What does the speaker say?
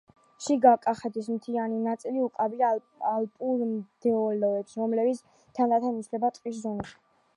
შიგა კახეთის მთიანი ნაწილი უკავია ალპურ მდელოებს, რომლებიც თანდათან იცვლება ტყის ზონით.